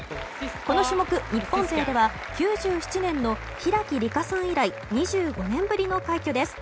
この種目、日本勢では９７年の平木理化さん以来２５年ぶりの快挙です。